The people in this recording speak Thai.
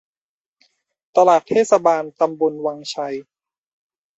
ตลาดเทศบาลตำบลวังชัย